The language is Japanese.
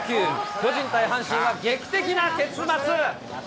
巨人対阪神は、劇的な結末。